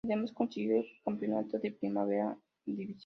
Además consiguió el campeonato de Primera División.